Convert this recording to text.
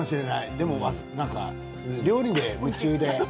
でも料理に夢中で。